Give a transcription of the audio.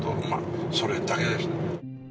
それだけです。